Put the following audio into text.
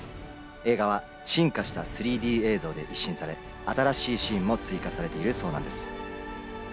映画は進化した３Ｄ映像で一新され、新しいシーンも追加されているそうなんです。